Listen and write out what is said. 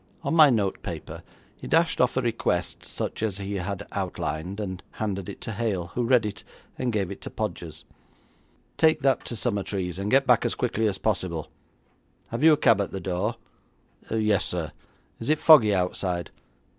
On my notepaper he dashed off a request such as he had outlined, and handed it to Hale, who read it and gave it to Podgers. 'Take that to Summertrees, and get back as quickly as possible. Have you a cab at the door?' 'Yes, sir.' 'Is it foggy outside?'